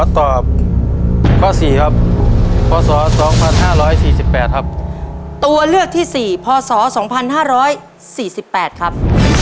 ตัวเลือกที่๔พศ๒๕๔๘ครับ